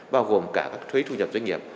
bao gồm cả các thuế thu nhập doanh nghiệp